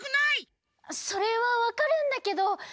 それはわかるんだけど。